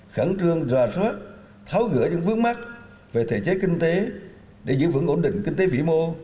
khẳng trương dòa rớt tháo gửa những vướng mắt về thể chế kinh tế để giữ vững ổn định kinh tế phí mô